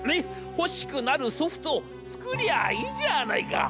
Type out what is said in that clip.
欲しくなるソフトを作りゃあいいじゃないか』。